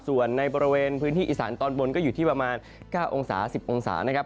ส่วนในบริเวณพื้นที่อีสานตอนบนก็อยู่ที่ประมาณ๙องศา๑๐องศานะครับ